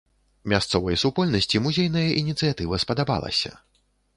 Мясцовай супольнасці музейная ініцыятыва спадабалася.